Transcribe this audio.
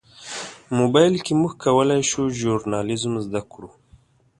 موبایل کې موږ کولی شو ژورنالیزم زده کړو.